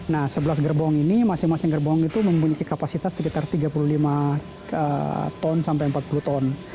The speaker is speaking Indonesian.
nah sebelas gerbong ini masing masing gerbong itu memiliki kapasitas sekitar tiga puluh lima ton sampai empat puluh ton